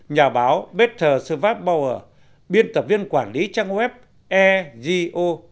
nhà báo peter schwartbauer biên tập viên quản lý trang web ego